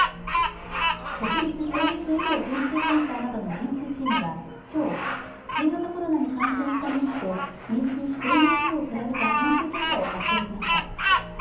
国立成育医療研究センターなどの研究チームは今日新型コロナに感染した妊婦と妊娠していない人を比べた研究結果を発表しました。